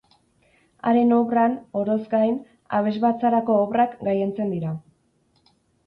Haren obran, oroz gain, abesbatzarako obrak gailentzen dira.